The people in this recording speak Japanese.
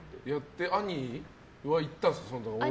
「アニー」は行ったんですか？